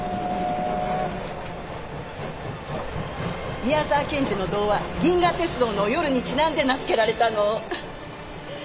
宮沢賢治の童話『銀河鉄道の夜』にちなんで名付けられたの。